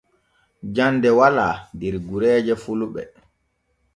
Jande wala der gureeje fulɓe.